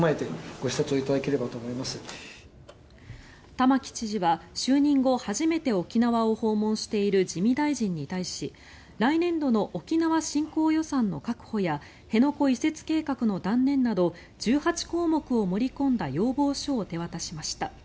玉城知事は就任後初めて沖縄を訪問している自見大臣に対し来年度の沖縄振興予算の確保や辺野古移設計画の断念など１８項目を盛り込んだ要望書を手渡しました。